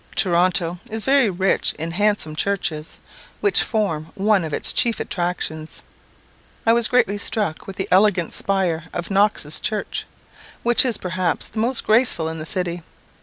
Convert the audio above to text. Toronto is very rich in handsome churches, which form one of its chief attractions. I was greatly struck with the elegant spire of Knox's church, which is perhaps the most graceful in the city.